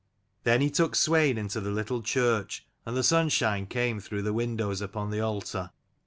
Then he took Swein into the little church, and the sunshine came through the windows upon the altar.